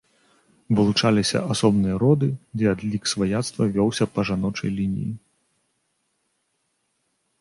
Вылучаліся асобныя роды, дзе адлік сваяцтва вёўся па жаночай лініі.